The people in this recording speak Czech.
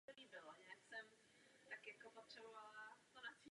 Jejich stavba byla zrušena.